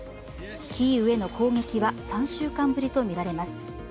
キーウへの攻撃は３週間ぶりとみられます。